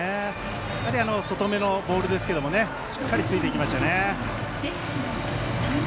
外めのボールですけどもしっかりついていきましたよね。